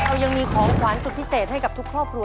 เรายังมีของขวานสุดพิเศษให้กับทุกครอบครัว